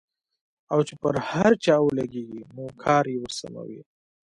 او چې پر هر چا ولګېږي نو کار يې ورسموي.